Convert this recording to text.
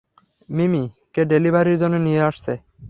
মিমি - কে ডেলিভারির জন্যে নিয়ে আসছে।